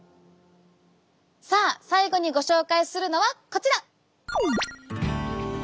さあ最後にご紹介するのはこちら。